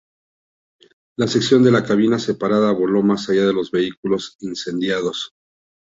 La sección de la cabina separada voló más allá de los vehículos incendiados.